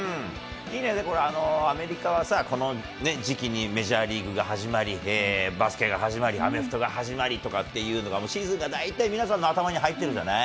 いいね、アメリカはさ、この時期にメジャーリーグが始まり、バスケが始まり、アメフトが始まりとかっていうのが、シーズンが大体皆さんの頭に入ってるじゃない？